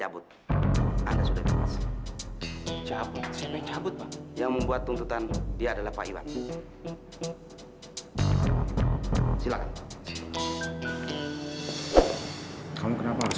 bukan aku yang bebasin kamu res